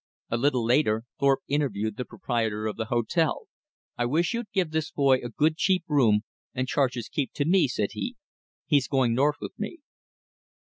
A little later Thorpe interviewed the proprietor of the hotel. "I wish you'd give this boy a good cheap room and charge his keep to me," said he. "He's going north with me."